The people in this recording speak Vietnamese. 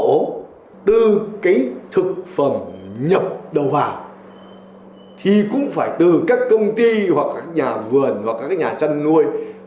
các yếu từ cái thực phẩm nhập đầu vào thì cũng phải từ các công ty hoặc các nhà vườn hoặc các nhà chăn nuôi